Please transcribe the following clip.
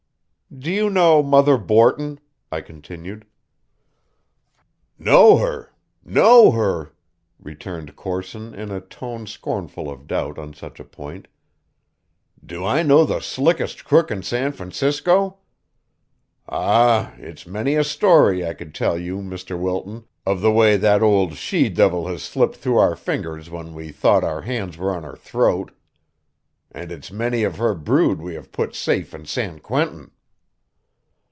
"Do you know Mother Borton?" I continued. "Know her? know her?" returned Corson in a tone scornful of doubt on such a point. "Do I know the slickest crook in San Francisco? Ah, it's many a story I could tell you, Mr. Wilton, of the way that ould she divil has slipped through our fingers when we thought our hands were on her throat. And it's many of her brood we have put safe in San Quentin."